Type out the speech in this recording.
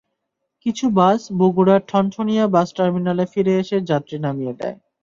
কিছু বাস বগুড়ার ঠনঠনিয়া বাস টার্মিনালে ফিরে এসে যাত্রী নামিয়ে দেয়।